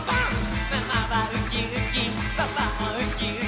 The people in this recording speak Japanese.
「ママはウキウキパパもウキウキ」